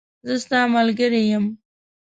زه ستاملګری یم .